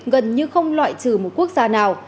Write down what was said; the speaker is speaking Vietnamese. gần như không loại trừ một quốc gia nào